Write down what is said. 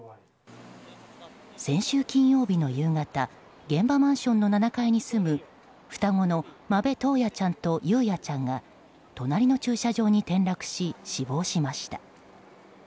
先週金曜日の夕方現場マンションの７階に住む双子の間部登也ちゃんと雄也ちゃんが隣の駐車場に転落し死亡しました。